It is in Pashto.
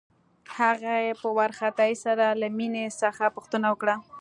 هغې په وارخطايۍ سره له مينې څخه پوښتنه وکړه.